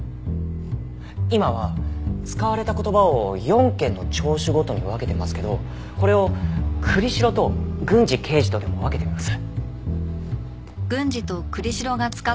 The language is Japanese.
今は使われた言葉を４件の聴取ごとに分けてますけどこれを栗城と郡司刑事とでも分けてみます。